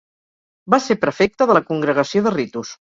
Va ser prefecte de la Congregació de Ritus.